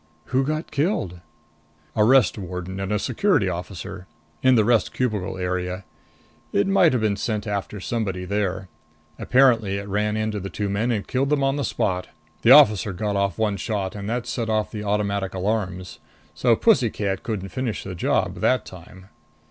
"Who got killed?" "A Rest Warden and a Security officer. In the rest cubicle area. It might have been sent after somebody there. Apparently it ran into the two men and killed them on the spot. The officer got off one shot and that set off the automatic alarms. So pussy cat couldn't finish the job that time."